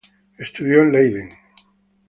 Estudió en Leiden.